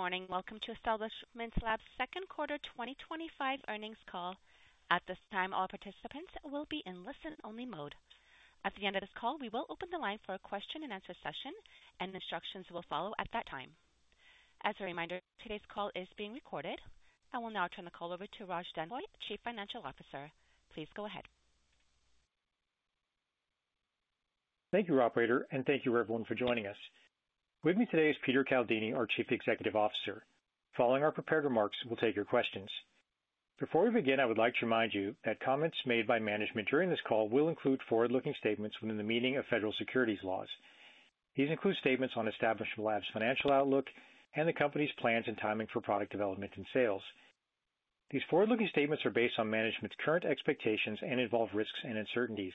Good morning. Welcome to Establishment Labs's Second Quarter 2025 Earnings Call. At this time, all participants will be in listen-only mode. At the end of this call, we will open the line for a question-and-answer session, and instructions will follow at that time. As a reminder, today's call is being recorded. I will now turn the call over to Raj Denhoy, Chief Financial Officer. Please go ahead. Thank you, operator, and thank you, everyone, for joining us. With me today is Peter Caldini, our Chief Executive Officer. Following our prepared remarks, we'll take your questions. Before we begin, I would like to remind you that comments made by management during this call will include forward-looking statements within the meaning of federal securities laws. These include statements on Establishment Labs' financial outlook and the company's plans and timing for product development and sales. These forward-looking statements are based on management's current expectations and involve risks and uncertainties.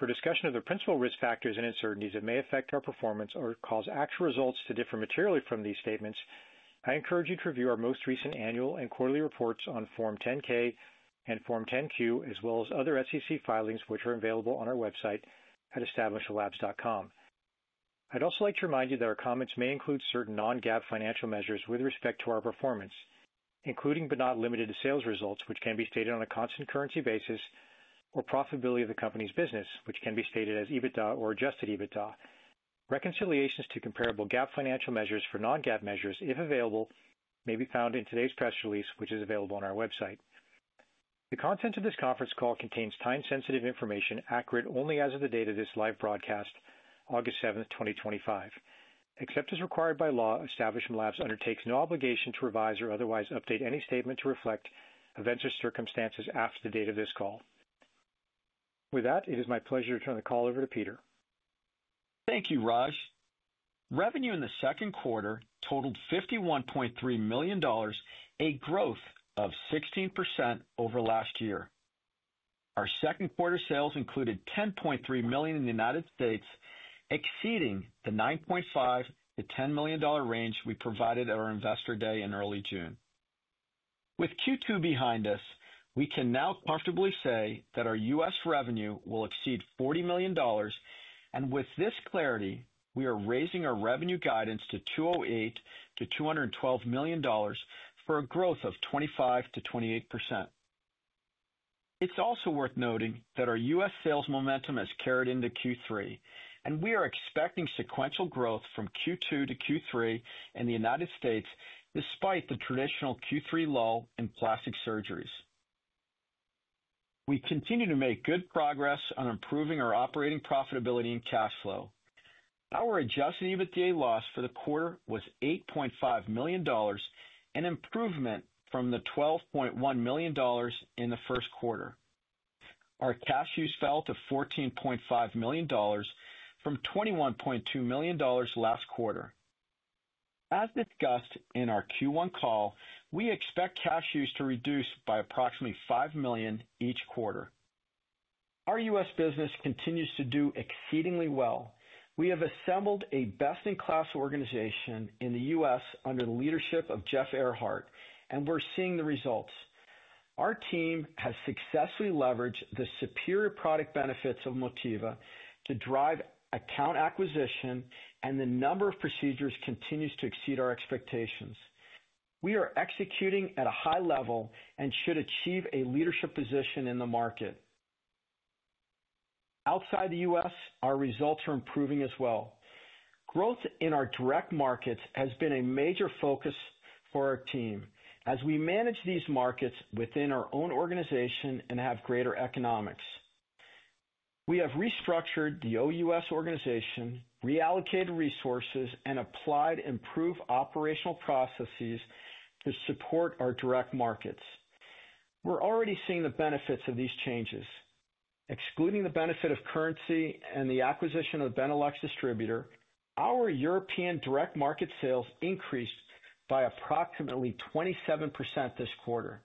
For discussion of the principal risk factors and uncertainties that may affect our performance or cause actual results to differ materially from these statements, I encourage you to review our most recent annual and quarterly reports on Form 10-K and Form 10-Q, as well as other SEC filings, which are available on our website at EstablishmentLabs.com. I'd also like to remind you that our comments may include certain non-GAAP financial measures with respect to our performance, including but not limited to sales results, which can be stated on a constant currency basis, or profitability of the company's business, which can be stated as EBITDA or adjusted EBITDA. Reconciliations to comparable GAAP financial measures for non-GAAP measures, if available, may be found in today's press release, which is available on our website. The content of this conference call contains time-sensitive information accurate only as of the date of this live broadcast, August 7, 2025. Except as required by law, Establishment Labs undertakes no obligation to revise or otherwise update any statement to reflect events or circumstances after the date of this call. With that, it is my pleasure to turn the call over to Peter. Thank you, Raj. Revenue in the second quarter totaled $51.3 million, a growth of 16% over last year. Our second quarter sales included $10.3 million in the U.S., exceeding the $9.5 million-$10 million range we provided at our Investor Day in early June. With Q2 behind us, we can now comfortably say that our U.S. revenue will exceed $40 million, and with this clarity, we are raising our revenue guidance to $208 million-$212 million for a growth of 25%-28%. It's also worth noting that our U.S. sales momentum has carried into Q3, and we are expecting sequential growth from Q2 to Q3 in the U.S., despite the traditional Q3 lull in plastic surgeries. We continue to make good progress on improving our operating profitability and cash flow. Our adjusted EBITDA loss for the quarter was $8.5 million, an improvement from the $12.1 million in the first quarter. Our cash use fell to $14.5 million from $21.2 million last quarter. As discussed in our Q1 call, we expect cash use to reduce by approximately $5 million each quarter. Our U.S. business continues to do exceedingly well. We have assembled a best-in-class organization in the U.S. under the leadership of Jeff Ehrhardt, and we're seeing the results. Our team has successfully leveraged the superior product benefits of Motiva to drive account acquisition, and the number of procedures continues to exceed our expectations. We are executing at a high level and should achieve a leadership position in the market. Outside the U.S., our results are improving as well. Growth in our direct markets has been a major focus for our team as we manage these markets within our own organization and have greater economics. We have restructured the OUS organization, reallocated resources, and applied improved operational processes to support our direct markets. We're already seeing the benefits of these changes. Excluding the benefit of currency and the acquisition of the Benelux distributor, our European direct market sales increased by approximately 27% this quarter.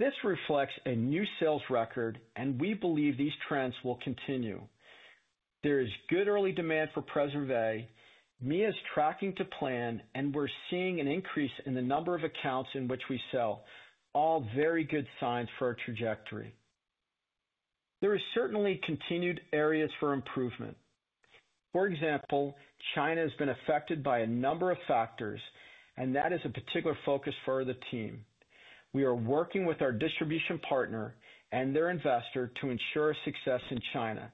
This reflects a new sales record, and we believe these trends will continue. There is good early demand for Preservé, Mia's tracking to plan, and we're seeing an increase in the number of accounts in which we sell, all very good signs for our trajectory. There are certainly continued areas for improvement. For example, China has been affected by a number of factors, and that is a particular focus for the team. We are working with our distribution partner and their investor to ensure success in China.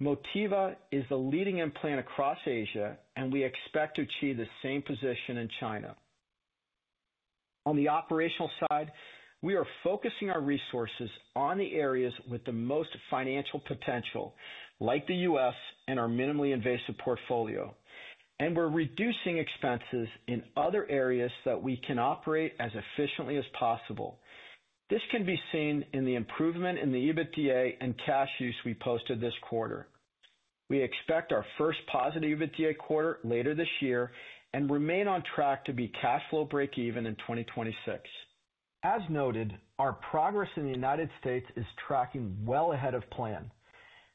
Motiva is the leading implant across Asia, and we expect to achieve the same position in China. On the operational side, we are focusing our resources on the areas with the most financial potential, like the U.S. and our minimally invasive portfolio, and we're reducing expenses in other areas so that we can operate as efficiently as possible. This can be seen in the improvement in the adjusted EBITDA and cash use we posted this quarter. We expect our first positive adjusted EBITDA quarter later this year and remain on track to be cash flow break-even in 2026. As noted, our progress in the United States is tracking well ahead of plan.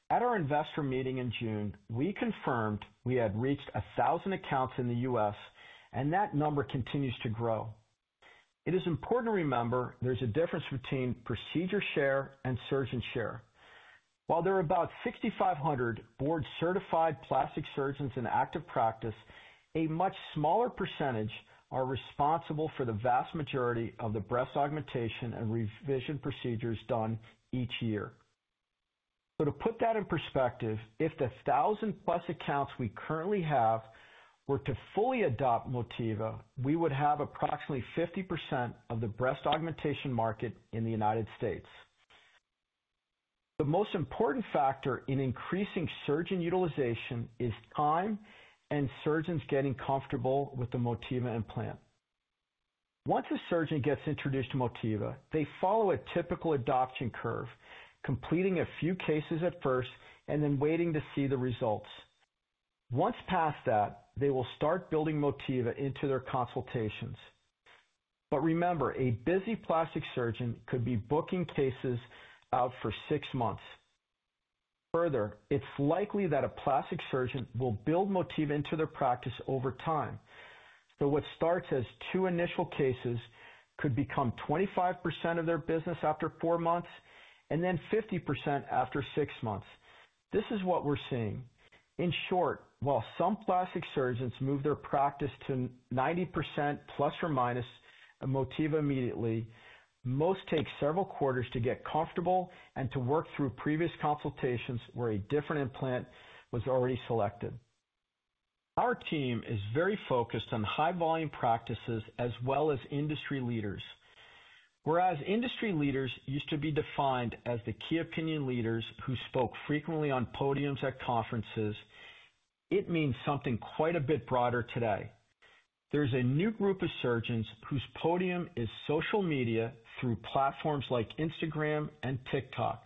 At our investor meeting in June, we confirmed we had reached 1,000 accounts in the U.S., and that number continues to grow. It is important to remember there's a difference between procedure share and surgeon share. While there are about 6,500 board-certified plastic surgeons in active practice, a much smaller percentage are responsible for the vast majority of the breast augmentation and revision procedures done each year. To put that in perspective, if the 1,000+ accounts we currently have were to fully adopt Motiva, we would have approximately 50% of the breast augmentation market in the United States. The most important factor in increasing surgeon utilization is time and surgeons getting comfortable with the Motiva implant. Once a surgeon gets introduced to Motiva, they follow a typical adoption curve, completing a few cases at first and then waiting to see the results. Once past that, they will start building Motiva into their consultations. A busy plastic surgeon could be booking cases out for six months. Further, it's likely that a plastic surgeon will build Motiva into their practice over time. What starts as two initial cases could become 25% of their business after four months and then 50% after six months. This is what we're seeing. In short, while some plastic surgeons move their practice to 90%± Motiva immediately, most take several quarters to get comfortable and to work through previous consultations where a different implant was already selected. Our team is very focused on high-volume practices as well as industry leaders. Whereas industry leaders used to be defined as the key opinion leaders who spoke frequently on podiums at conferences, it means something quite a bit broader today. There's a new group of surgeons whose podium is social media through platforms like Instagram and TikTok.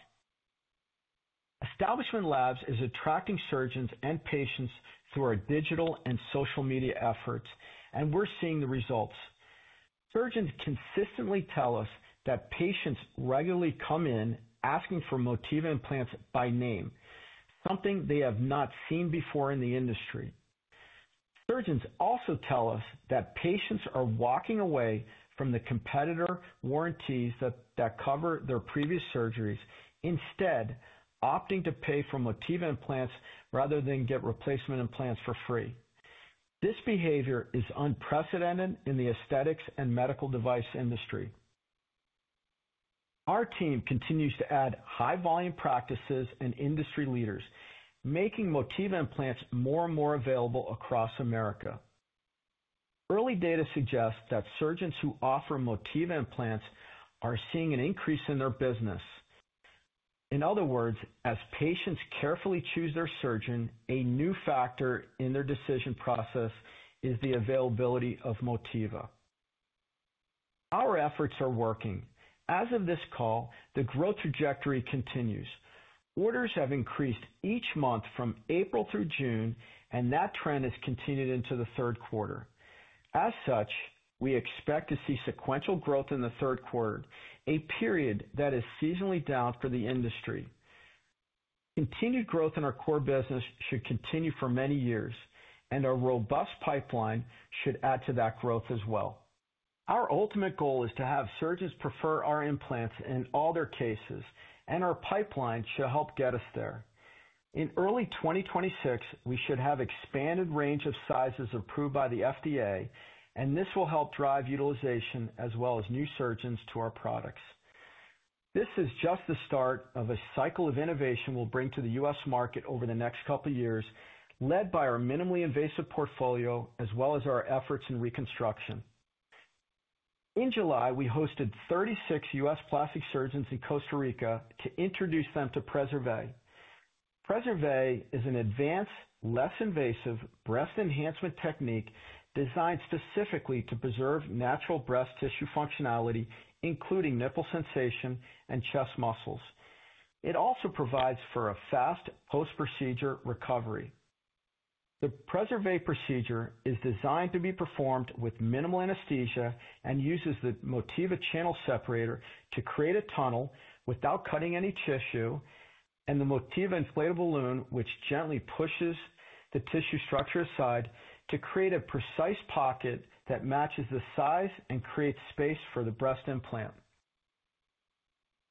Establishment Labs is attracting surgeons and patients through our digital and social media efforts, and we're seeing the results. Surgeons consistently tell us that patients regularly come in asking for Motiva Implants by name, something they have not seen before in the industry. Surgeons also tell us that patients are walking away from the competitor warranties that cover their previous surgeries, instead opting to pay for Motiva Implants rather than get replacement implants for free. This behavior is unprecedented in the aesthetics and medical device industry. Our team continues to add high-volume practices and industry leaders, making Motiva Implants more and more available across America. Early data suggests that surgeons who offer Motiva Implants are seeing an increase in their business. In other words, as patients carefully choose their surgeon, a new factor in their decision process is the availability of Motiva. Our efforts are working. As of this call, the growth trajectory continues. Orders have increased each month from April through June, and that trend has continued into the third quarter. As such, we expect to see sequential growth in the third quarter, a period that is seasonally down for the industry. Continued growth in our core business should continue for many years, and a robust pipeline should add to that growth as well. Our ultimate goal is to have surgeons prefer our implants in all their cases, and our pipeline should help get us there. In early 2026, we should have an expanded range of sizes approved by the FDA, and this will help drive utilization as well as new surgeons to our products. This is just the start of a cycle of innovation we'll bring to the U.S. market over the next couple of years, led by our minimally invasive portfolio as well as our efforts in reconstruction. In July, we hosted 36 U.S. plastic surgeons in Costa Rica to introduce them to Preservé. Preservé is an advanced, less invasive breast enhancement technique designed specifically to preserve natural breast tissue functionality, including nipple sensation and chest muscles. It also provides for a fast post-procedure recovery. The Preservé procedure is designed to be performed with minimal anesthesia and uses the Motiva channel separator to create a tunnel without cutting any tissue, and the Motiva inflatable balloon, which gently pushes the tissue structure aside to create a precise pocket that matches the size and creates space for the breast implant.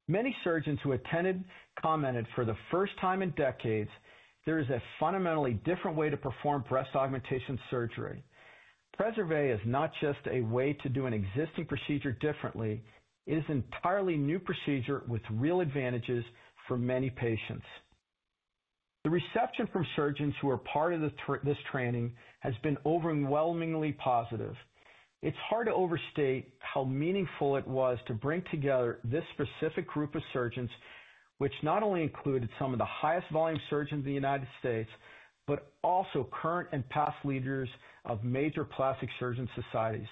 Many surgeons who attended commented for the first time in decades there is a fundamentally different way to perform breast augmentation surgery. Preservé is not just a way to do an existing procedure differently, it is an entirely new procedure with real advantages for many patients. The reception from surgeons who are part of this training has been overwhelmingly positive. It's hard to overstate how meaningful it was to bring together this specific group of surgeons, which not only included some of the highest volume surgeons in the United States, but also current and past leaders of major plastic surgeon societies.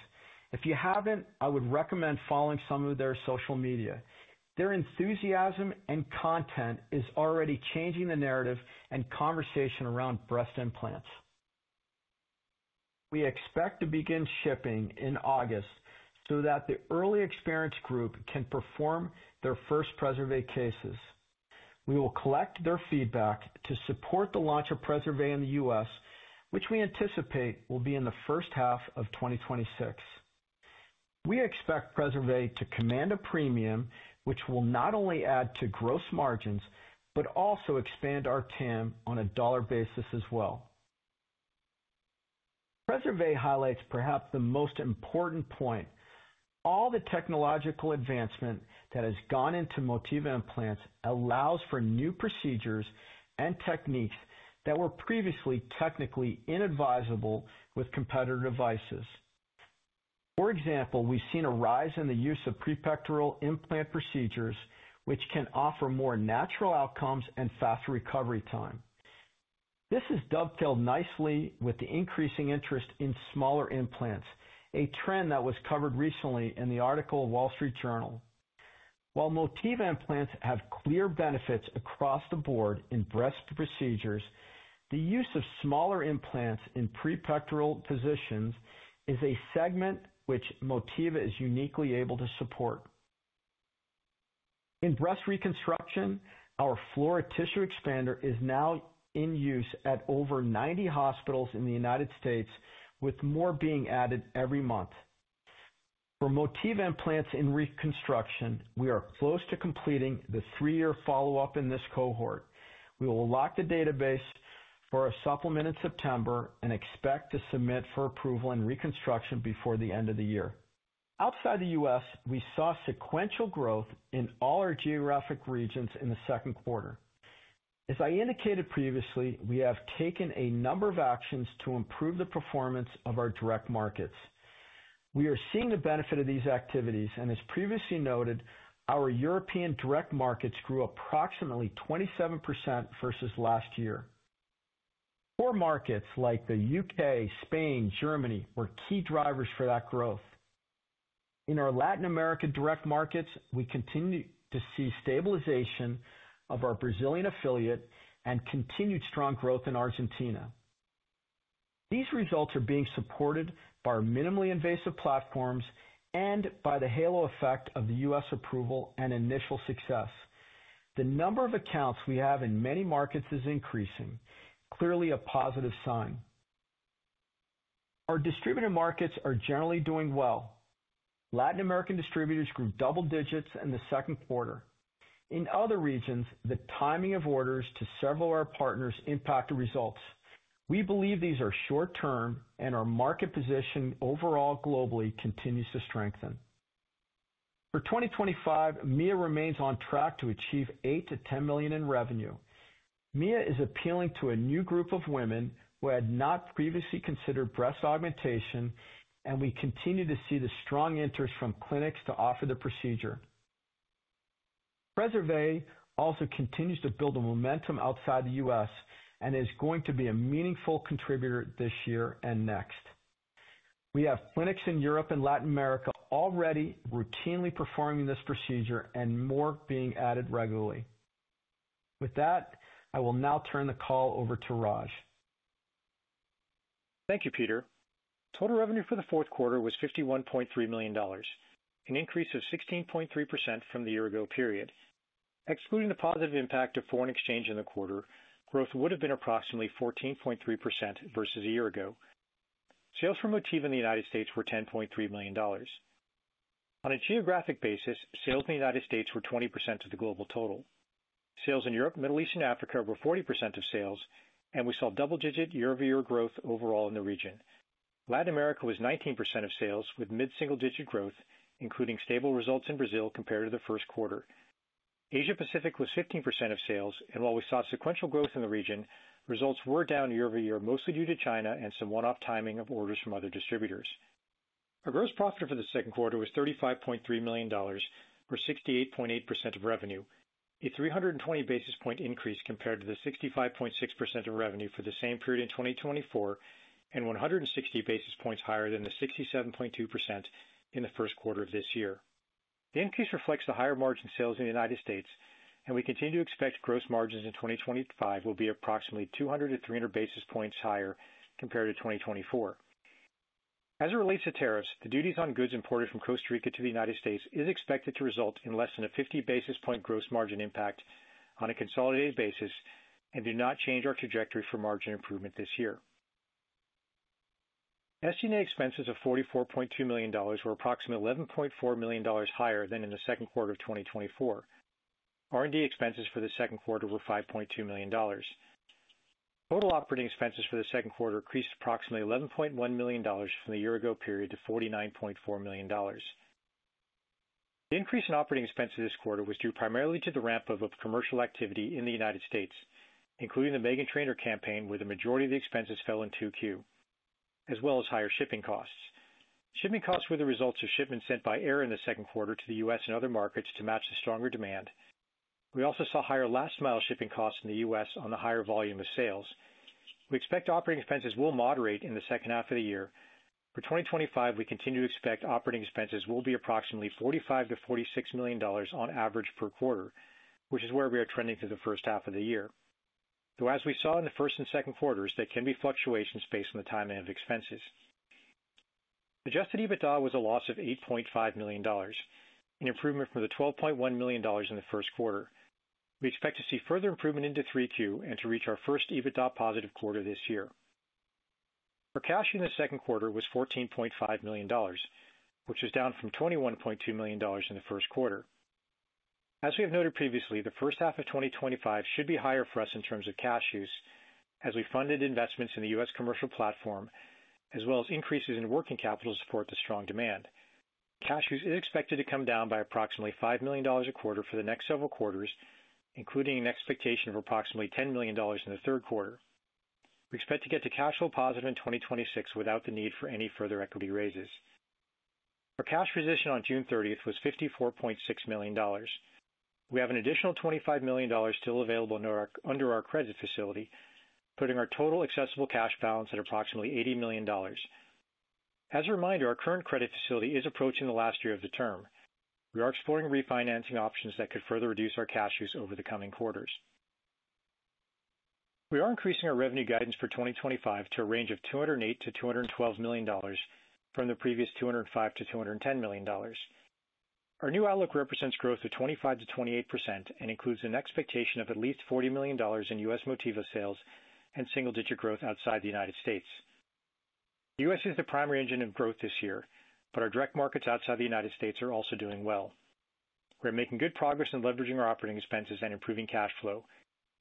If you haven't, I would recommend following some of their social media. Their enthusiasm and content is already changing the narrative and conversation around breast implants. We expect to begin shipping in August so that the early experience group can perform their first Preservé cases. We will collect their feedback to support the launch of Preservé in the U.S., which we anticipate will be in the first half of 2026. We expect Preservé to command a premium, which will not only add to gross margins but also expand our TAM on a dollar basis as well. Preservé highlights perhaps the most important point: all the technological advancement that has gone into Motiva Implants allows for new procedures and techniques that were previously technically inadvisable with competitor devices. For example, we've seen a rise in the use of prepectoral implant procedures, which can offer more natural outcomes and faster recovery time. This has dovetailed nicely with the increasing interest in smaller implants, a trend that was covered recently in the article of Wall Street Journal. While Motiva Implants have clear benefits across the board in breast procedures, the use of smaller implants in prepectoral positions is a segment which Motiva is uniquely able to support. In breast reconstruction, our Flora tissue expander is now in use at over 90 hospitals in the United States., with more being added every month. For Motiva Implants in reconstruction, we are close to completing the three-year follow-up in this cohort. We will lock the database for a supplement in September and expect to submit for approval in reconstruction before the end of the year. Outside the U.S., we saw sequential growth in all our geographic regions in the second quarter. As I indicated previously, we have taken a number of actions to improve the performance of our direct markets. We are seeing the benefit of these activities, and as previously noted, our European direct markets grew approximately 27% versus last year. Core markets like the U.K., Spain, and Germany were key drivers for that growth. In our Latin American direct markets, we continue to see stabilization of our Brazilian affiliate and continued strong growth in Argentina. These results are being supported by our minimally invasive platforms and by the halo effect of the U.S. approval and initial success. The number of accounts we have in many markets is increasing, clearly a positive sign. Our distributor markets are generally doing well. Latin American distributors grew double digits in the second quarter. In other regions, the timing of orders to several of our partners impacted results. We believe these are short-term, and our market position overall globally continues to strengthen. For 2025, Mia remains on track to achieve $8 million-$10 million in revenue. Mia is appealing to a new group of women who had not previously considered breast augmentation, and we continue to see the strong interest from clinics to offer the procedure. Preservé also continues to build momentum outside the U.S. and is going to be a meaningful contributor this year and next. We have clinics in Europe and Latin America already routinely performing this procedure and more being added regularly. With that, I will now turn the call over to Raj. Thank you, Peter. Total revenue for the fourth quarter was $51.3 million, an increase of 16.3% from the year-ago period. Excluding the positive impact of foreign exchange in the quarter, growth would have been approximately 14.3% versus a year ago. Sales for Motiva in the United States. were $10.3 million. On a geographic basis, sales in the United Staes. were 20% of the global total. Sales in Europe, Middle East, and Africa were 40% of sales, and we saw double-digit year-over-year growth overall in the region. Latin America was 19% of sales with mid-single-digit growth, including stable results in Brazil compared to the first quarter. Asia-Pacific was 15% of sales, and while we saw sequential growth in the region, results were down year-over-year, mostly due to China and some one-off timing of orders from other distributors. Our gross profit for the second quarter was $35.3 million, or 68.8% of revenue, a 320 basis point increase compared to the 65.6% of revenue for the same period in 2024, and 160 basis points higher than the 67.2% in the first quarter of this year. The increase reflects the higher margin sales in the United States., and we continue to expect gross margins in 2025 will be approximately 200-300 basis points higher compared to 2024. As it relates to tariffs, the duties on goods imported from Costa Rica to the United States. are expected to result in less than a 50 basis point gross margin impact on a consolidated basis and do not change our trajectory for margin improvement this year. Estimated expenses of $44.2 million were approximately $11.4 million higher than in the second quarter of 2024. R&D expenses for the second quarter were $5.2 million. Total operating expenses for the second quarter increased approximately $11.1 million from the year-ago period to $49.4 million. The increase in operating expenses this quarter was due primarily to the ramp-up of commercial activity in the United States including the Meghan Trainor campaign, where the majority of the expenses fell in 2Q, as well as higher shipping costs. Shipping costs were the result of shipments sent by air in the second quarter to the U.S. and other markets to match the stronger demand. We also saw higher last-mile shipping costs in the U.S. on the higher volume of sales. We expect operating expenses will moderate in the second half of the year. For 2025, we continue to expect operating expenses will be approximately $45 million-$46 million on average per quarter, which is where we are trending through the first half of the year. Though, as we saw in the first and second quarters, there can be fluctuations based on the timing of expenses. Adjusted EBITDA was a loss of $8.5 million, an improvement from the $12.1 million in the first quarter. We expect to see further improvement into 3Q and to reach our first EBITDA positive quarter this year. Our cash in the second quarter was $14.5 million, which was down from $21.2 million in the first quarter. As we have noted previously, the first half of 2025 should be higher for us in terms of cash use, as we funded investments in the U.S. commercial platform, as well as increases in working capital to support the strong demand. Cash use is expected to come down by approximately $5 million a quarter for the next several quarters, including an expectation of approximately $10 million in the third quarter. We expect to get to cash flow positive in 2026 without the need for any further equity raises. Our cash position on June 30th was $54.6 million. We have an additional $25 million still available under our credit facility, putting our total accessible cash balance at approximately $80 million. As a reminder, our current credit facility is approaching the last year of the term. We are exploring refinancing options that could further reduce our cash use over the coming quarters. We are increasing our revenue guidance for 2025 to a range of $208 million-$212 million from the previous $205 million-$210 million. Our new outlook represents growth of 25%-28% and includes an expectation of at least $40 million in U.S. Motiva sales and single-digit growth outside the United States. The U.S. is the primary engine of growth this year, but our direct markets outside the United States. The are also doing well. We are making good progress in leveraging our operating expenses and improving cash flow.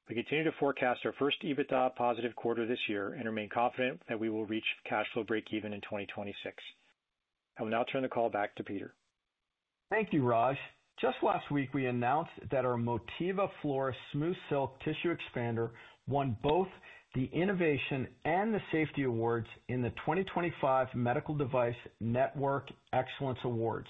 We continue to forecast our first EBITDA positive quarter this year and remain confident that we will reach cash flow break-even in 2026. I will now turn the call back to Peter. Thank you, Raj. Just last week, we announced that our Motiva Flora Smooth Silk Tissue Expander won both the Innovation and the Safety Awards in the 2025 Medical Device Network Excellence Awards.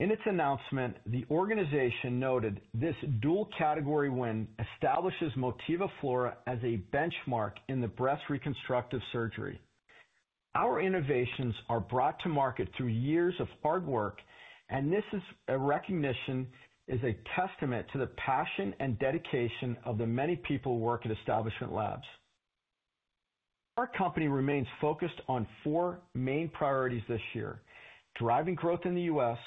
In its announcement, the organization noted this dual category win establishes Motiva Flora as a benchmark in breast reconstructive surgery. Our innovations are brought to market through years of hard work, and this recognition is a testament to the passion and dedication of the many people who work at Establishment Labs. Our company remains focused on four main priorities this year: driving growth in the U.S.,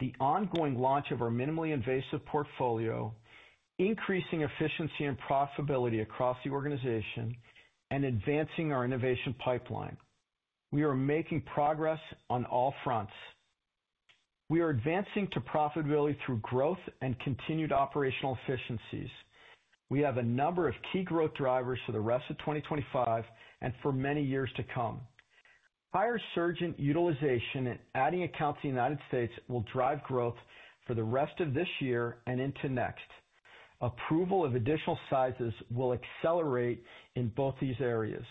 the ongoing launch of our minimally invasive portfolio, increasing efficiency and profitability across the organization, and advancing our innovation pipeline. We are making progress on all fronts. We are advancing to profitability through growth and continued operational efficiencies. We have a number of key growth drivers for the rest of 2025 and for many years to come. Higher surgeon utilization and adding accounts in the United States will drive growth for the rest of this year and into next. Approval of additional sizes will accelerate in both these areas.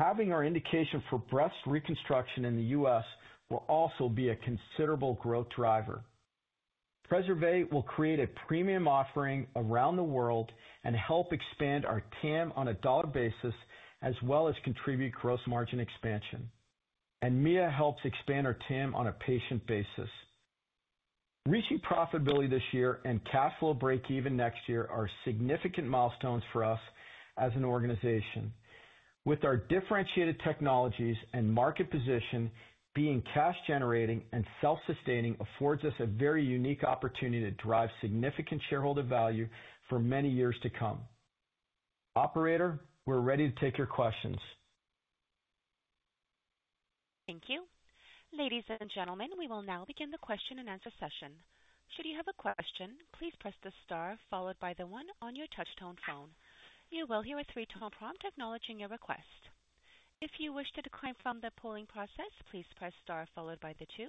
Having our indication for breast reconstruction in the U.S. will also be a considerable growth driver. Preservé will create a premium offering around the world and help expand our TAM on a dollar basis, as well as contribute to gross margin expansion. Mia helps expand our TAM on a patient basis. Reaching profitability this year and cash flow break-even next year are significant milestones for us as an organization. With our differentiated technologies and market position being cash-generating and self-sustaining, it affords us a very unique opportunity to drive significant shareholder value for many years to come. Operator, we're ready to take your questions. Thank you. Ladies and gentlemen, we will now begin the question-and-answer session. Should you have a question, please press the Star followed by the one on your touch-tone phone. You will hear a three-tone prompt acknowledging your request. If you wish to decline from the polling process, please press Star followed by the two.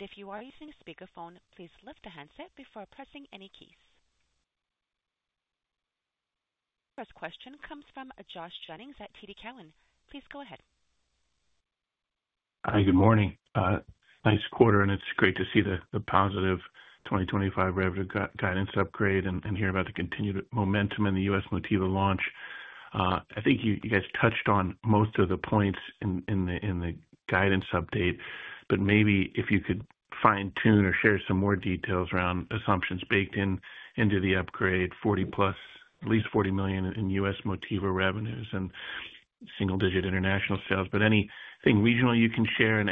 If you are using a speakerphone, please lift the handset before pressing any keys. First question comes from Josh Jennings at TD Cowen. Please go ahead. Hi, good morning. Nice quarter, and it's great to see the positive 2025 revenue guidance upgrade and hear about the continued momentum in the U.S. Motiva launch. I think you guys touched on most of the points in the guidance update. Maybe if you could fine-tune or share some more details around assumptions baked into the upgrade, $40+ million, at least $40 million in U.S. Motiva revenues, and single-digit international sales. Is there anything regional you can share?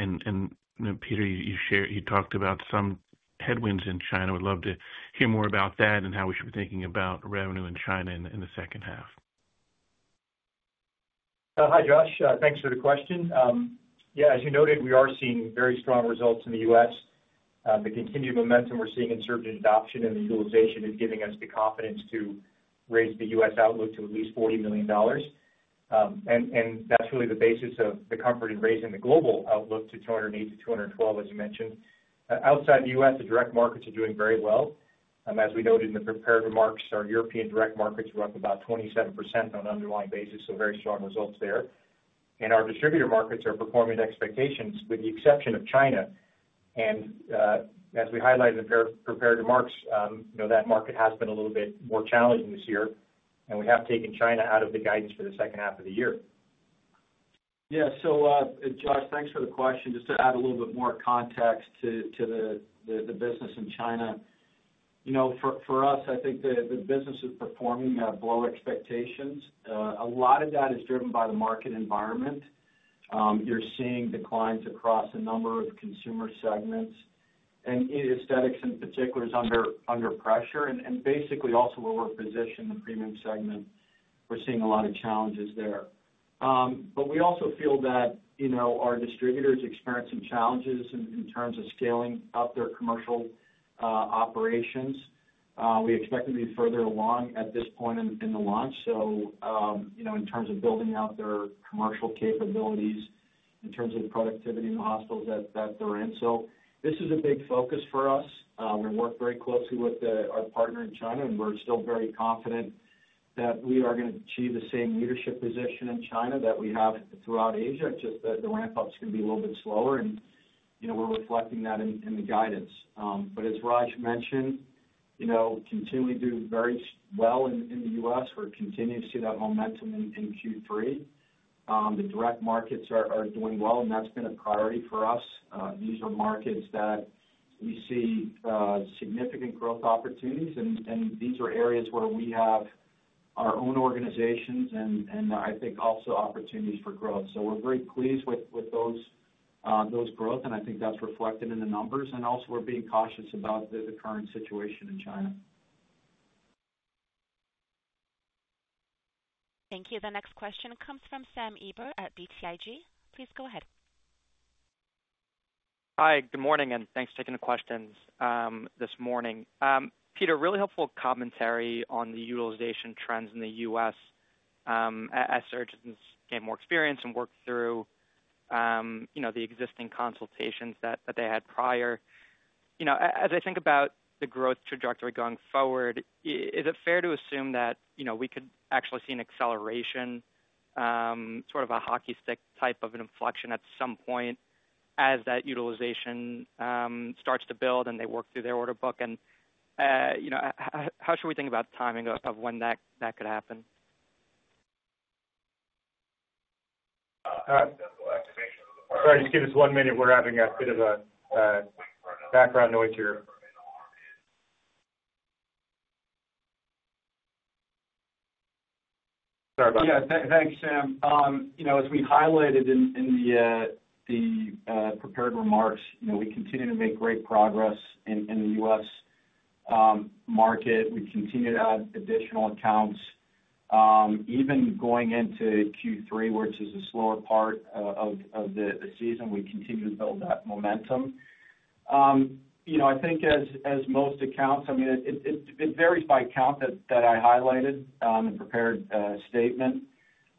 Peter, you talked about some headwinds in China. I would love to hear more about that and how we should be thinking about revenue in China in the second half. Hi, Josh. Thanks for the question. Yeah, as you noted, we are seeing very strong results in the U.S. The continued momentum we're seeing in surgeon adoption and the utilization is giving us the confidence to raise the U.S. outlook to at least $40 million. That's really the basis of the comfort in raising the global outlook to $280 million-$212 million, as you mentioned. Outside the U.S., the direct markets are doing very well. As we noted in the prepared remarks, our European direct markets are up about 27% on an underlying basis, so very strong results there. Our distributor markets are performing to expectations with the exception of China. As we highlighted in prepared remarks, that market has been a little bit more challenging this year, and we have taken China out of the guidance for the second half of the year. Yeah, so Josh, thanks for the question. Just to add a little bit more context to the business in China. For us, I think the business is performing below expectations. A lot of that is driven by the market environment. You're seeing declines across a number of consumer segments, and aesthetics in particular is under pressure. Basically, also where we're positioned in the premium segment, we're seeing a lot of challenges there. We also feel that our distributors experience some challenges in terms of scaling up their commercial operations. We expect to be further along at this point in the launch. In terms of building out their commercial capabilities, in terms of the productivity in the hospitals that they're in, this is a big focus for us. We work very closely with our partner in China, and we're still very confident that we are going to achieve the same leadership position in China that we have throughout Asia. It's just that the ramp-ups can be a little bit slower, and we're reflecting that in the guidance. As Raj mentioned, we continually do very well in the U.S. We're continuing to see that momentum in Q3. The direct markets are doing well, and that's been a priority for us. These are markets that we see significant growth opportunities, and these are areas where we have our own organizations and I think also opportunities for growth. We're very pleased with those growths, and I think that's reflected in the numbers. We're also being cautious about the current situation in China. Thank you. The next question comes from Sam Eiber at BTIG. Please go ahead. Hi, good morning, and thanks for taking the questions this morning. Peter, really helpful commentary on the utilization trends in the U.S. as surgeons gain more experience and work through the existing consultations that they had prior. As I think about the growth trajectory going forward, is it fair to assume that we could actually see an acceleration, sort of a hockey stick type of an inflection at some point as that utilization starts to build and they work through their order book? How should we think about timing of when that could happen? Sorry, just give us one minute. We're having a bit of background noise here. Sorry about that. Yeah, thanks, Sam. As we highlighted in the prepared remarks, we continue to make great progress in the U.S. market. We continue to add additional accounts. Even going into Q3, which is a slower part of the season, we continue to build that momentum. I think as most accounts, it varies by account that I highlighted in the prepared statement.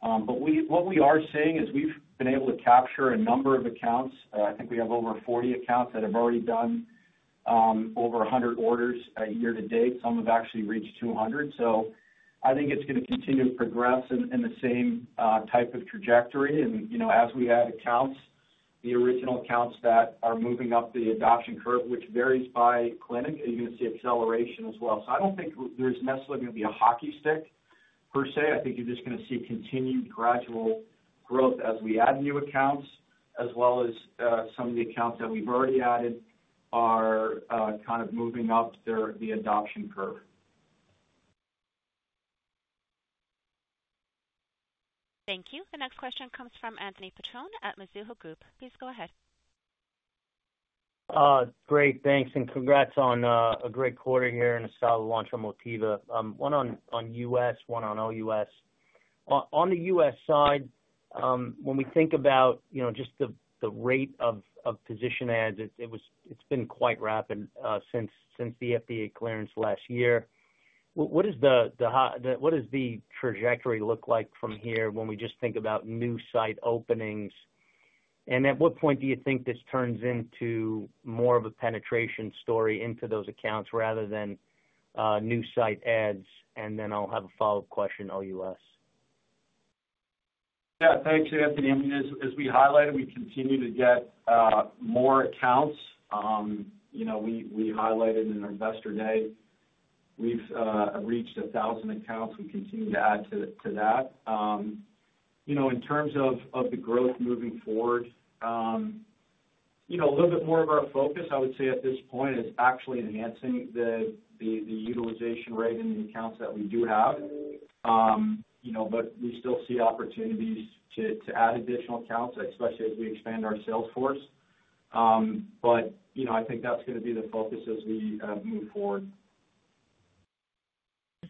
What we are seeing is we've been able to capture a number of accounts. I think we have over 40 accounts that have already done over 100 orders year to date. Some have actually reached 200. I think it's going to continue to progress in the same type of trajectory. As we add accounts, the original accounts that are moving up the adoption curve, which varies by clinic, you're going to see acceleration as well. I don't think there's necessarily going to be a hockey stick per se. You're just going to see continued gradual growth as we add new accounts, as well as some of the accounts that we've already added are kind of moving up the adoption curve. Thank you. The next question comes from Anthony Petrone at Mizuho Group. Please go ahead. Great, thanks. Congrats on a great quarter here and a solid launch on Motiva. One on U.S., one on OU.. On the U.S. side, when we think about just the rate of position ads, it's been quite rapid since the FDA clearance last year. What does the trajectory look like from here when we just think about new site openings? At what point do you think this turns into more of a penetration story into those accounts rather than new site ads? I have a follow-up question, O.U.S. Yeah, thanks, Anthony. As we highlighted, we continue to get more accounts. We highlighted in our Investor Day we've reached 1,000 accounts. We continue to add to that. In terms of the growth moving forward, a little bit more of our focus, I would say at this point, is actually enhancing the utilization rate in the accounts that we do have. We still see opportunities to add additional accounts, especially as we expand our sales force. I think that's going to be the focus as we move forward.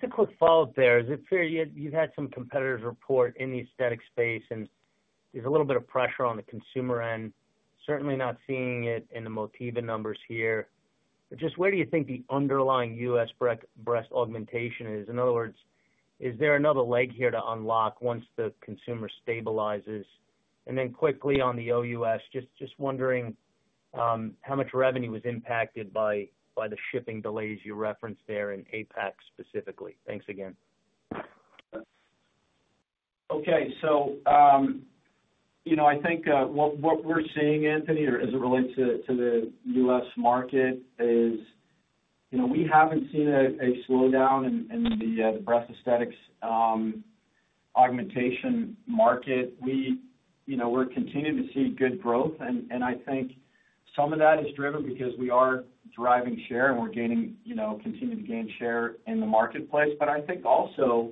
Just a quick follow-up there. You've had some competitors report in the aesthetics space, and there's a little bit of pressure on the consumer end. Certainly not seeing it in the Motiva numbers here. Where do you think the underlying U.S. breast augmentation is? In other words, is there another leg here to unlock once the consumer stabilizes? Quickly on the OUS., just wondering how much revenue was impacted by the shipping delays you referenced there in APAC specifically. Thanks again. Okay, I think what we're seeing, Anthony, as it relates to the U.S. market is we haven't seen a slowdown in the breast aesthetics augmentation market. We're continuing to see good growth, and I think some of that is driven because we are driving share and we're continuing to gain share in the marketplace. I think also,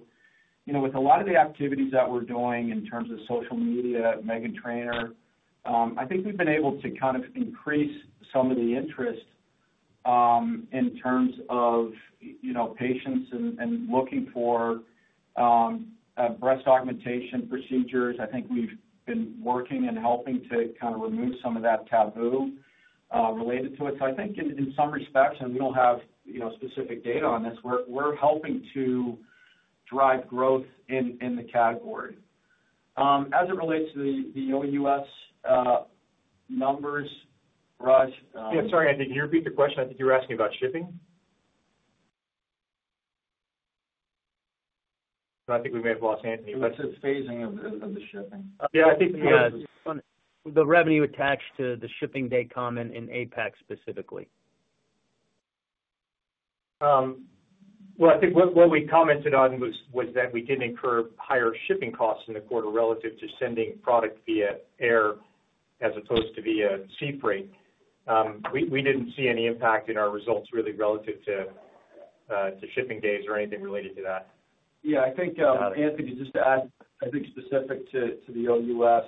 with a lot of the activities that we're doing in terms of social media, Meghan Trainor, I think we've been able to increase some of the interest in terms of patients and looking for breast augmentation procedures. I think we've been working and helping to remove some of that taboo related to it. I think in some respects, and we don't have specific data on this, we're helping to drive growth in the category. As it relates to the OUS. numbers, Raj. Sorry, Anthony, can you repeat the question? I think you were asking about shipping. I think we may have lost Anthony. This is phasing of the shipping. Yeah, I think the revenue attached to the shipping date comment in APAC specifically. I think what we commented on was that we did incur higher shipping costs in the quarter relative to sending product via air as opposed to via seafreight. We didn't see any impact in our results really relative to shipping days or anything related to that. Yeah, I think, Anthony, just to add, I think specific to the OUS,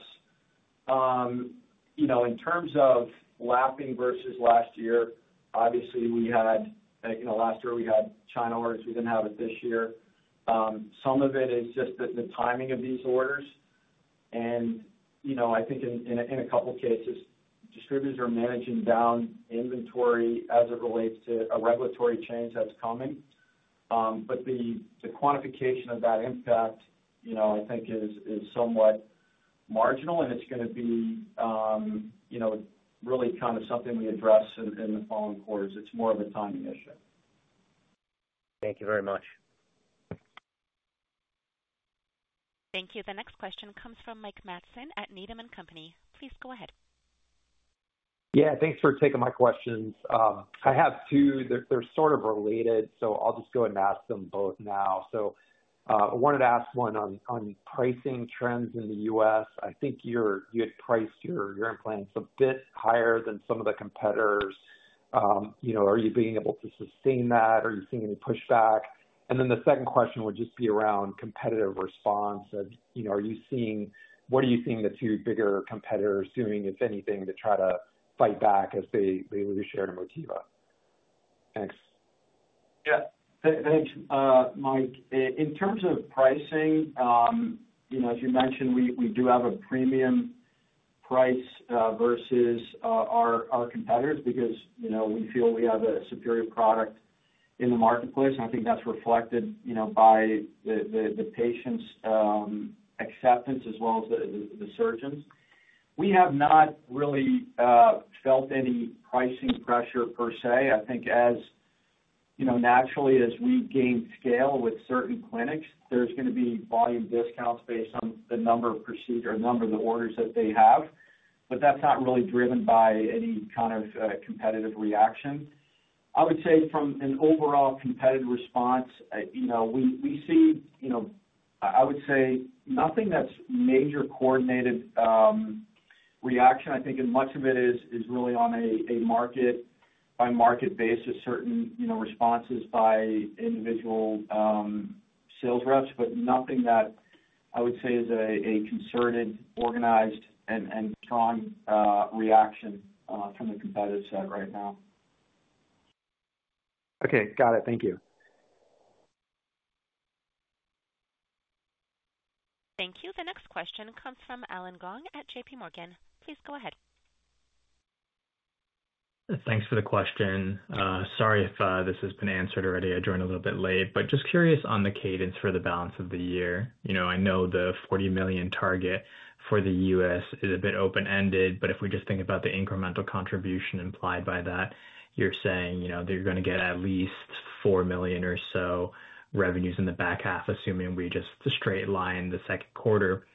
in terms of lapping versus last year, obviously we had, you know, last year we had China orders, we didn't have it this year. Some of it is just the timing of these orders. I think in a couple of cases, distributors are managing down inventory as it relates to a regulatory change that's coming. The quantification of that impact, I think, is somewhat marginal, and it's going to be really kind of something we address in the following quarters. It's more of a timing issue. Thank you very much. Thank you. The next question comes from Mike Matson at Needham & Company. Please go ahead. Yeah, thanks for taking my questions. I have two. They're sort of related, so I'll just go ahead and ask them both now. I wanted to ask one on pricing trends in the U.S. I think you had priced your implants a bit higher than some of the competitors. Are you being able to sustain that? Are you seeing any pushback? The second question would just be around competitive response. Are you seeing, what are you seeing the two bigger competitors doing, if anything, to try to fight back as they lose share to Motiva? Thanks. Yeah, thanks, Mike. In terms of pricing, as you mentioned, we do have a premium price versus our competitors because we feel we have a superior product in the marketplace. I think that's reflected by the patients' acceptance as well as the surgeons. We have not really felt any pricing pressure per se. I think as, naturally, as we gain scale with certain clinics, there's going to be volume discounts based on the number of procedures or number of the orders that they have. That's not really driven by any kind of competitive reaction. I would say from an overall competitive response, we see nothing that's a major coordinated reaction. I think much of it is really on a market-by-market basis, certain responses by individual sales reps, but nothing that I would say is a concerted, organized, and con reaction from the competitive side right now. Okay, got it. Thank you. Thank you. The next question comes from Allen Gong at JPMorgan. Please go ahead. Thanks for the question. Sorry if this has been answered already. I joined a little bit late, but just curious on the cadence for the balance of the year. I know the $40 million target for the U.S. is a bit open-ended, but if we just think about the incremental contribution implied by that, you're saying they're going to get at least $4 million or so revenues in the back half, assuming we just straight line the second quarter.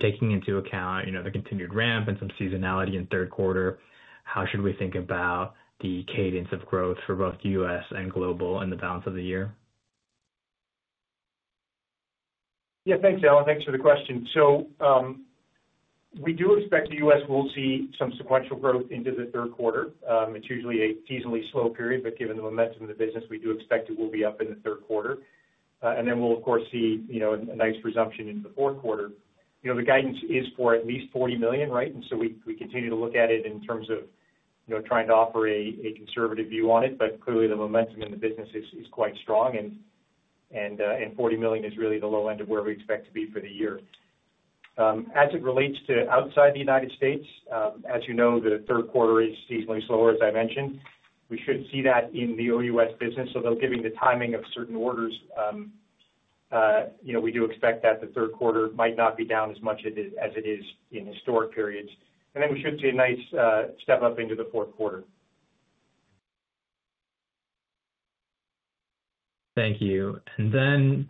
Taking into account the continued ramp and some seasonality in third quarter, how should we think about the cadence of growth for both U.S. and global in the balance of the year? Yeah, thanks, Allen. Thanks for the question. We do expect the U.S. will see some sequential growth into the third quarter. It's usually a seasonally slow period, but given the momentum of the business, we do expect it will be up in the third quarter. We'll, of course, see a nice presumption into the fourth quarter. The guidance is for at least $40 million, right? We continue to look at it in terms of trying to offer a conservative view on it. Clearly, the momentum in the business is quite strong. $40 million is really the low end of where we expect to be for the year. As it relates to outside the United States, as you know, the third quarter is seasonally slower, as I mentioned. We shouldn't see that in the O.U.S. business. That will give you the timing of certain orders. We do expect that the third quarter might not be down as much as it is in historic periods. We should see a nice step up into the fourth quarter. Thank you.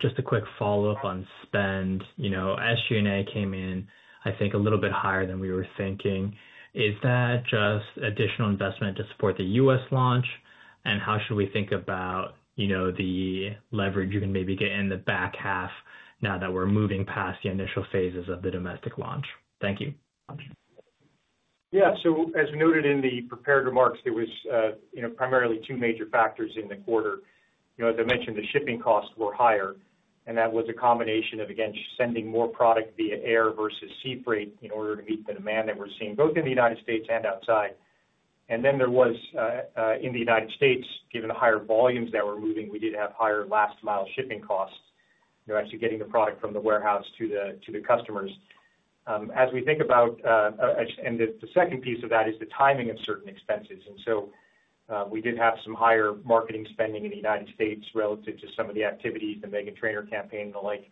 Just a quick follow-up on spend. SG&A came in, I think, a little bit higher than we were thinking. Is that just additional investment to support the U.S. launch? How should we think about the leverage you can maybe get in the back half now that we're moving past the initial phases of the domestic launch? Thank you. Yeah, as noted in the prepared remarks, there were primarily two major factors in the quarter. As I mentioned, the shipping costs were higher. That was a combination of sending more product via air versus seafreight in order to meet the demand that we're seeing both in the United States and outside. In the United States., given the higher volumes that were moving, we did have higher last-mile shipping costs, actually getting the product from the warehouse to the customers. The second piece of that is the timing of certain expenses. We did have some higher marketing spending in the U.S. relative to some of the activities, the Meghan Trainor campaign and the like.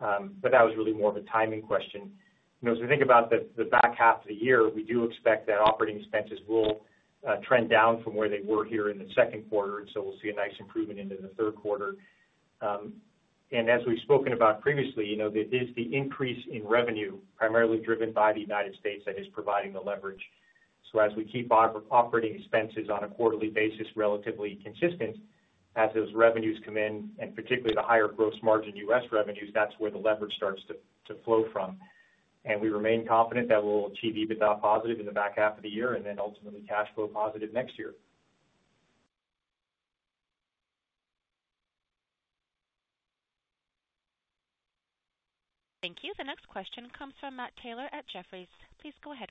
That was really more of a timing question. As we think about the back half of the year, we do expect that operating expenses will trend down from where they were here in the second quarter. We'll see a nice improvement into the third quarter. As we've spoken about previously, it is the increase in revenue primarily driven by the United States. that is providing the leverage. As we keep operating expenses on a quarterly basis relatively consistent, as those revenues come in, and particularly the higher gross margin U.S. revenues, that's where the leverage starts to flow from. We remain confident that we'll achieve EBITDA positive in the back half of the year and then ultimately cash flow positive next year. Thank you. The next question comes from Matt Taylor at Jefferies. Please go ahead.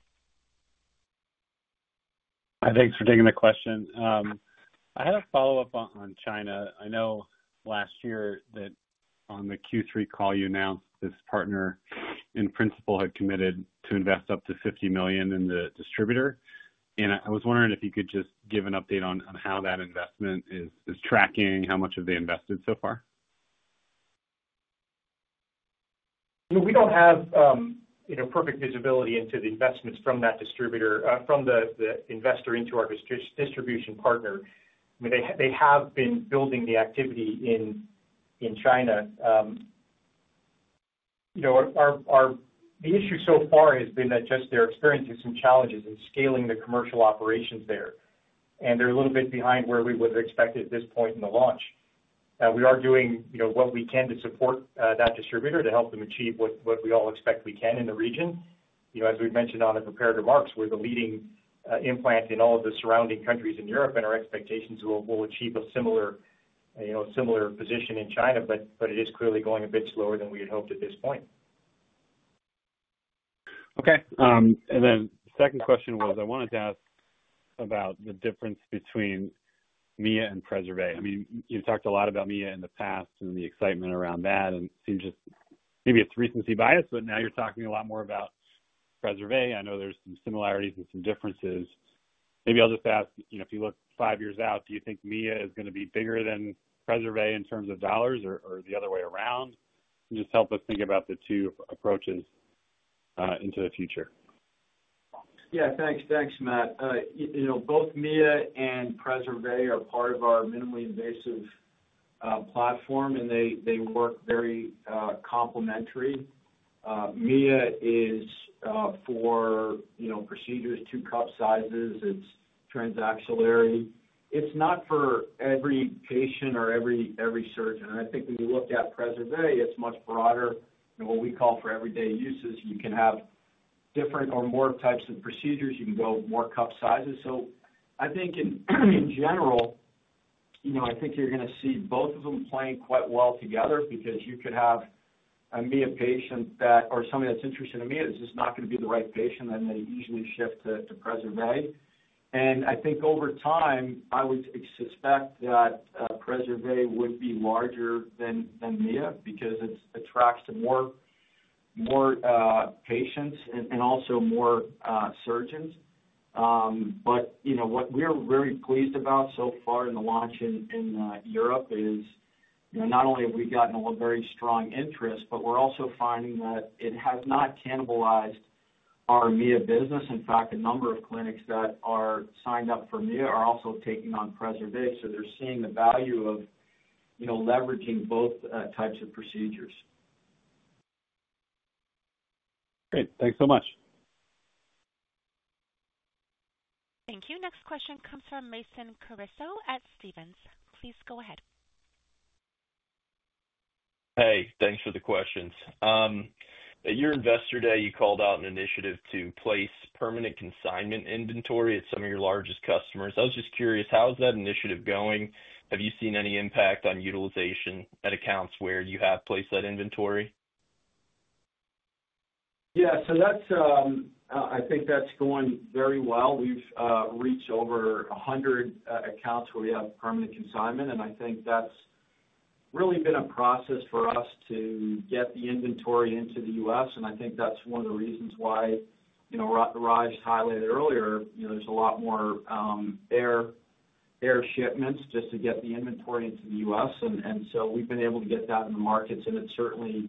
Hi, thanks for taking the question. I had a follow-up on China. I know last year that on the Q3 call you announced this partner in principle had committed to invest up to $50 million in the distributor. I was wondering if you could just give an update on how that investment is tracking, how much have they invested so far? We don't have perfect visibility into the investments from that distributor, from the investor into our distribution partner. They have been building the activity in China. The issue so far has been that they're experiencing some challenges in scaling the commercial operations there, and they're a little bit behind where we would have expected at this point in the launch. We are doing what we can to support that distributor to help them achieve what we all expect we can in the region. As we've mentioned in our prepared remarks, we're the leading implant in all of the surrounding countries in Europe, and our expectations are we'll achieve a similar position in China. It is clearly going a bit slower than we had hoped at this point. Okay. The second question was, I wanted to ask about the difference between Mia and Preservé. I mean, you've talked a lot about Mia in the past and the excitement around that, and it seems just maybe it's recency bias, but now you're talking a lot more about Preservé. I know there's some similarities and some differences. Maybe I'll just ask, you know, if you look five years out, do you think Mia is going to be bigger than Preservé in terms of dollars or the other way around? Just help us think about the two approaches into the future. Yeah, thanks, thanks, Matt. You know, both Mia and Preservé are part of our minimally invasive platform, and they work very complementary. Mia is for, you know, procedures two cup sizes. It's transaxillary. It's not for every patient or every surgeon. I think when you look at Preservé, it's much broader. What we call for everyday uses, you can have different or more types of procedures. You can go with more cup sizes. I think in general, you know, I think you're going to see both of them playing quite well together because you could have a Mia patient that, or somebody that's interested in Mia that's just not going to be the right patient, and they usually shift to Preservé. I think over time, I would suspect that Preservé would be larger than Mia because it attracts to more patients and also more surgeons. What we are very pleased about so far in the launch in Europe is, you know, not only have we gotten a very strong interest, but we're also finding that it has not cannibalized our Mia business. In fact, a number of clinics that are signed up for Mia are also taking on Preservé. They're seeing the value of, you know, leveraging both types of procedures. Great, thanks so much. Thank you. Next question comes from Mason Carrico at Stephens. Please go ahead. Hey, thanks for the questions. At your Investor Day, you called out an initiative to place permanent consignment inventory at some of your largest customers. I was just curious, how is that initiative going? Have you seen any impact on utilization at accounts where you have placed that inventory? Yeah, so that's, I think that's going very well. We've reached over 100 accounts where we have permanent consignment, and I think that's really been a process for us to get the inventory into the U.S., and I think that's one of the reasons why, you know, Raj highlighted earlier, you know, there's a lot more air shipments just to get the inventory into the U.S. We've been able to get that in the markets, and it certainly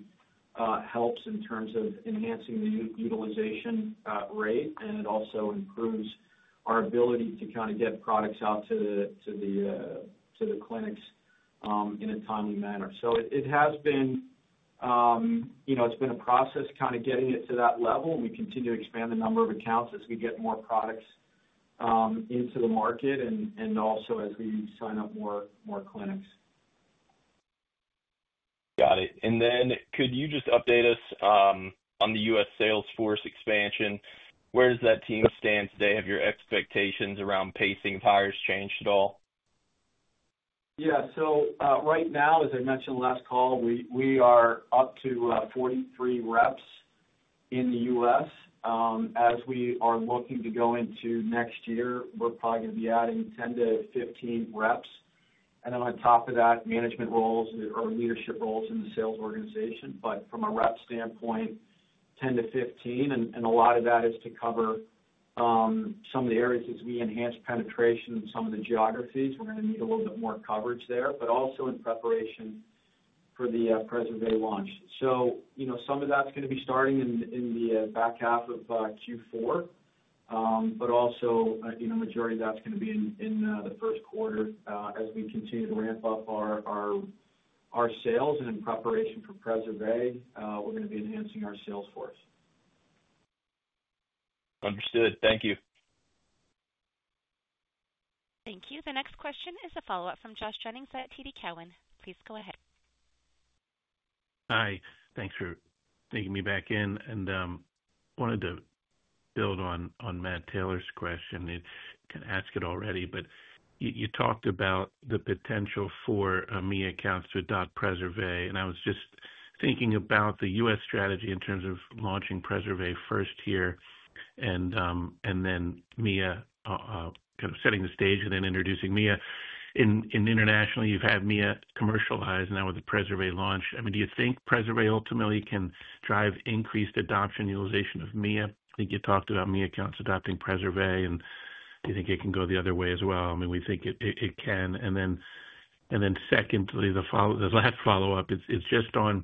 helps in terms of enhancing the utilization rate, and it also improves our ability to kind of get products out to the clinics in a timely manner. It has been, you know, it's been a process kind of getting it to that level, and we continue to expand the number of accounts as we get more products into the market and also as we sign up more clinics. Got it. Could you just update us on the U.S. sales force expansion? Where does that team stand today? Have your expectations around pacing of hires changed at all? Yeah, so right now, as I mentioned in the last call, we are up to 43 reps in the U.S. As we are looking to go into next year, we're probably going to be adding 10-15 reps. On top of that, management roles or leadership roles in the sales organization. From a rep standpoint, 10-15, and a lot of that is to cover some of the areas as we enhance penetration in some of the geographies. We're going to need a little bit more coverage there, also in preparation for the Preservé launch. Some of that's going to be starting in the back half of Q4. The majority of that's going to be in the first quarter as we continue to ramp up our sales and in preparation for Preservé, we're going to be enhancing our sales force. Understood. Thank you. Thank you. The next question is a follow-up from Joshua Jennings at TD Cowen. Please go ahead. Hi, thanks for taking me back in. I wanted to build on Matt Taylor's question. I can ask it already, but you talked about the potential for Mia accounts without Preservé. I was just thinking about the U.S. strategy in terms of launching Preservé first here, and then Mia kind of setting the stage and then introducing Mia. Internationally, you've had Mia commercialized now with the Preservé launch. Do you think Preservé ultimately can drive increased adoption and utilization of Mia? I think you talked about Mia accounts adopting Preservé, and do you think it can go the other way as well? We think it can. The last follow-up is just on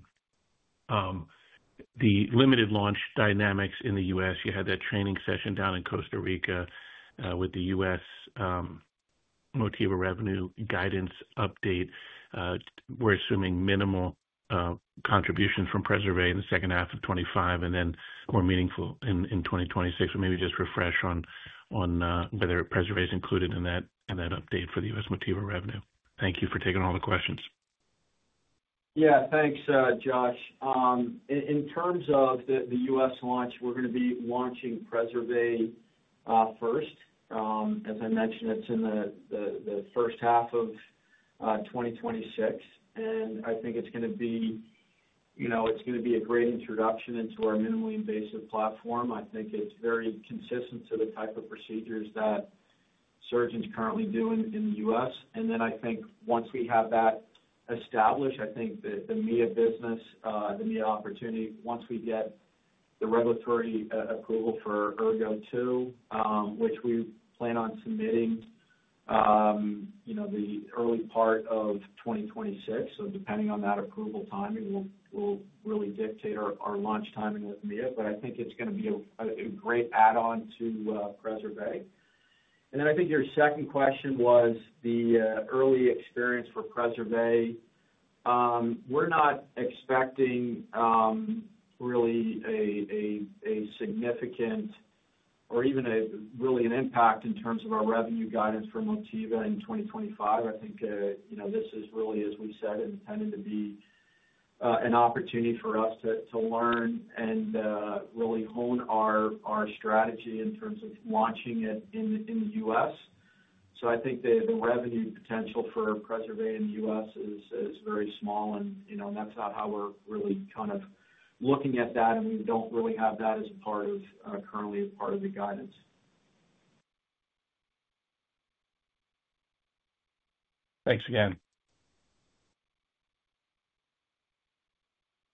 the limited launch dynamics in the U.S. You had that training session down in Costa Rica with the U.S. Motiva revenue guidance update. We're assuming minimal contributions from Preservé in the second half of 2025 and then more meaningful in 2026. Maybe just refresh on whether Preservé is included in that update for the U.S. Motiva revenue. Thank you for taking all the questions. Yeah, thanks, Josh. In terms of the U.S. launch, we're going to be launching Preservé first. As I mentioned, it's in the first half of 2026. I think it's going to be a great introduction into our minimally invasive platform. I think it's very consistent to the type of procedures that surgeons currently do in the U.S. Once we have that established, I think the Mia business, the Mia opportunity, once we get the regulatory approval for ERGO2, which we plan on submitting in the early part of 2026, depending on that approval timing, will really dictate our launch timing with Mia. I think it's going to be a great add-on to Preservé. I think your second question was the early experience for Preservé. We're not expecting really a significant or even really an impact in terms of our revenue guidance from Motiva in 2025. This is really, as we said, intended to be an opportunity for us to learn and really hone our strategy in terms of launching it in the U.S. I think the revenue potential for Preservé in the U.S. is very small, and that's not how we're really kind of looking at that. We don't really have that as currently part of the guidance. Thanks again.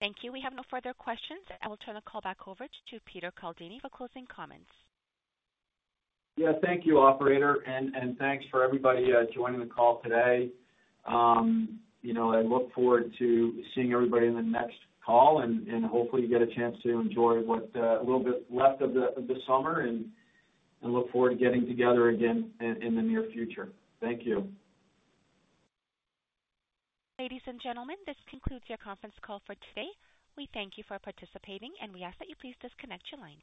Thank you. We have no further questions. I will turn the call back over to Peter Caldini for closing comments. Thank you, Operator. Thanks for everybody joining the call today. I look forward to seeing everybody in the next call, and hopefully you get a chance to enjoy what little bit is left of the summer. I look forward to getting together again in the near future. Thank you. Ladies and gentlemen, this concludes your conference call for today. We thank you for participating, and we ask that you please disconnect your line.